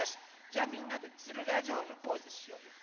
じゃあみんなでつるがじょうのポーズしようよ。